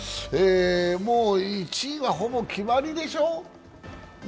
もう１位は、ほぼきまりでしょ？